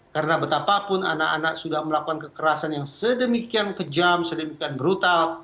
karena betapapun anak anak sudah melakukan kekerasan yang sedemikian kejam sedemikian brutal